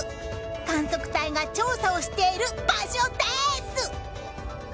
観測隊が調査をしている場所です。